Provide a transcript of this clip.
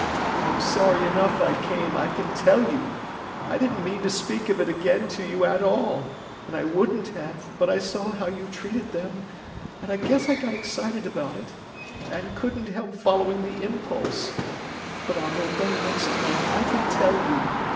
I'm sorry enough I came, I can tell you! I didn't mean to speak of it again to you, at all; and I wouldn't have, but I saw how you treated them, and I guess I got excited about it, and couldn't help following the impulse—but I'll know better next time, I can tell you!